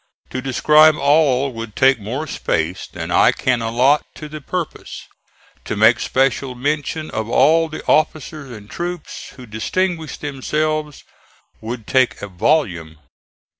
To describe all would take more space than I can allot to the purpose; to make special mention of all the officers and troops who distinguished themselves, would take a volume.